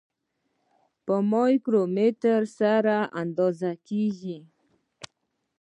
په مایکرومتر سره اندازه کیږي.